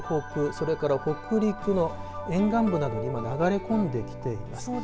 それから北陸の沿岸部などに流れ込んできています。